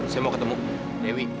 saya mau ketemu dewi